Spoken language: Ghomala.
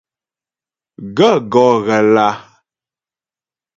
Gaə̂ gɔ́ ghə lǎ ?